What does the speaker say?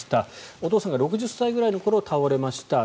お父さんが６０歳くらいの頃倒れました。